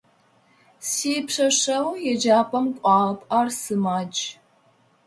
Сипшъэшъэгъу еджапӏэм кӏуагъэп: ар сымадж.